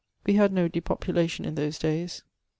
We had no depopulacion in those dayes.